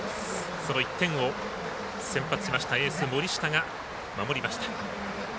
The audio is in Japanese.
その１点を、先発しましたエース、森下が守りました。